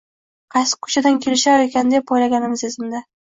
Qaysi koʻchadan kelishar ekan, deb poylaganimiz esimda.